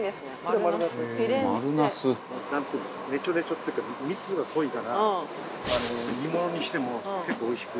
ネチョネチョっていうか密度が濃いから煮物にしても、結構おいしく。